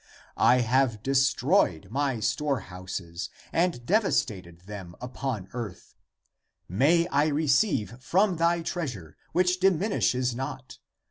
I have de stroyed my storehouses and devastated them upon earth ; may I receive from thy treasure, which di minishes not